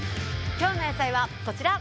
今日の野菜はこちら。